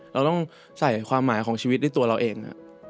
เราต้องใส่ความหมายของชีวิตด้วยตัวเราเอง